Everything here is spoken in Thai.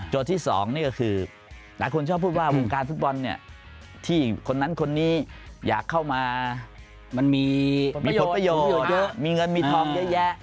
ที่สองนี่ก็คือหลายคนชอบพูดว่าวงการฟุตบอลเนี่ยที่คนนั้นคนนี้อยากเข้ามามันมีผลประโยชน์เยอะมีเงินมีทองเยอะแยะ